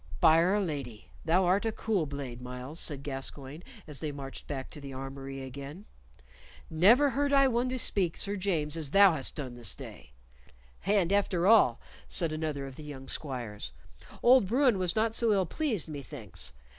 "By 'r Lady! thou art a cool blade, Myles," said Gascoyne, as they marched back to the armory again. "Never heard I one bespeak Sir James as thou hast done this day." "And, after all," said another of the young squires, "old Bruin was not so ill pleased, methinks.